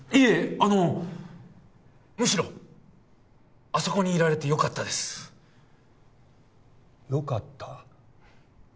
あのむしろあそこにいられてよかったですよかった？